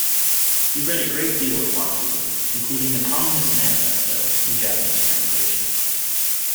He read a great deal of Marxism, including the "Communist Manifesto", in Japanese translation.